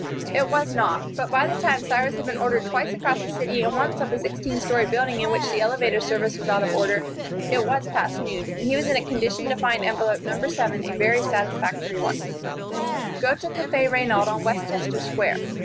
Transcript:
It was not; but by the time Cyrus had been ordered twice across the city and once up a sixteen story building in which the elevator service was out of order, it was past noon, and he was in a condition to find envelope No. 7 a very satisfactory one: "Go to Cafe Reynaud on Westchester Square.